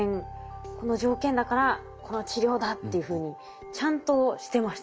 この条件だからこの治療だっていうふうにちゃんとしてました。